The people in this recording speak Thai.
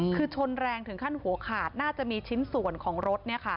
คือชนแรงถึงขั้นหัวขาดน่าจะมีชิ้นส่วนของรถ